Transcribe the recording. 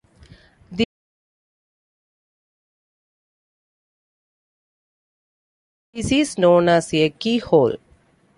This is known as a keyhole.